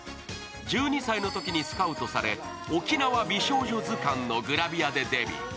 １２歳のときにスカウトされ、「沖縄美少女図鑑」のグラビアでデビュー。